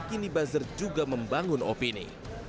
kini buzzer juga membangun opini